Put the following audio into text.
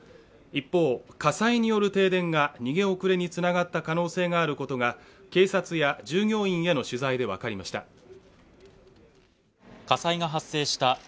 一方、火災による停電が逃げ遅れにつながった可能性があることが警察や従業員への取材で分かりました。